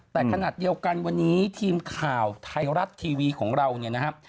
แต่ขณะเดียวกันวันนี้ทีมข่าวไทยรัฐทีวีของเราเนี่ยนะครับ